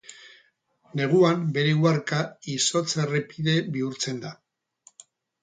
Neguan bere uharka izotz-errepide bihurtzen da.